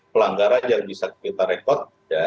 pelanggaran yang bisa kita rekod